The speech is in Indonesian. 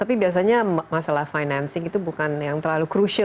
tapi biasanya masalah financing itu bukan yang terlalu crucial